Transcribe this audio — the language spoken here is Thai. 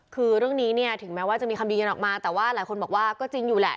คือเรื่องนี้เนี่ยถึงแม้ว่าจะมีคำยืนยันออกมาแต่ว่าหลายคนบอกว่าก็จริงอยู่แหละ